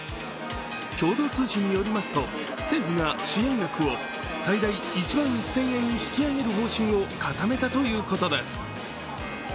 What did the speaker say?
共同通信によりますと、政府が支援額を最大１万１０００人引き上げる方針を固めたということです。